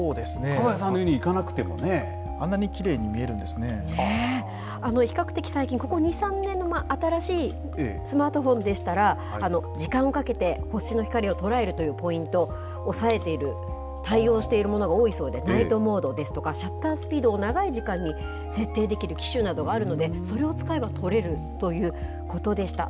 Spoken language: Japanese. ＫＡＧＡＹＡさんのようにいあんなにきれいに見えるんで比較的最近、ここ２、３年の新しいスマートフォンでしたら、時間をかけて星の光を捉えるというポイント、押さえている、対応しているものが多いそうで、ナイトモードですとか、シャッタースピードを長い時間に設定できる機種などがあるので、それを使えば撮れるということでした。